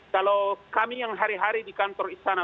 kalau kami yang hari hari di kantor istana